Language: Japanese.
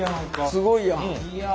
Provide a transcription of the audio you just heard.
すごいやん！